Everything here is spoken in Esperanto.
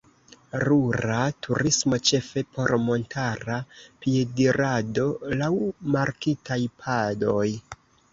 Rura turismo ĉefe por montara piedirado laŭ markitaj padoj.